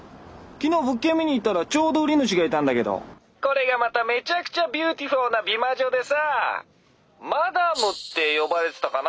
昨日物件見に行ったらちょうど売り主がいたんだけどこれがまためちゃくちゃビューティフォーな美魔女でさマダムって呼ばれてたかな？